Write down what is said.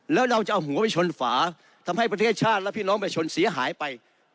แล้วเราจะเอาหัวไปชนฝาทำให้ประเทศชาติและพี่น้องประชาชนเสียหายไป